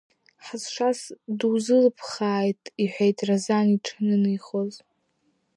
Ҳазшаз дузылԥхааит, – иҳәеит Разан иҿанынеихоз.